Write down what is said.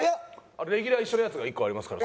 レギュラー一緒のやつが１個ありますから。